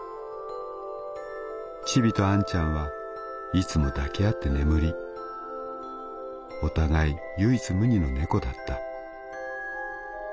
「チビとあんちゃんはいつも抱き合って眠りお互い唯一無二の猫だった」。